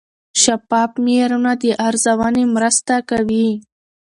شفاف معیارونه د ارزونې مرسته کوي.